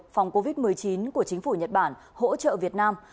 phòng covid một mươi chín của chính phủ nhật bản hỗ trợ việt nam